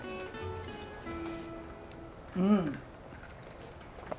うん！